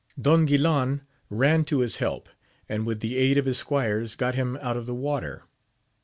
Don Guilan ran to his help, and with the aid of his squires got him out of the water.